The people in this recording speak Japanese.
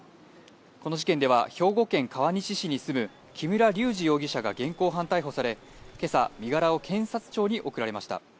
この事件では、兵庫県川西市に住む木村隆二容疑者が現行犯逮捕され、けさ、身柄を検察庁に送られました。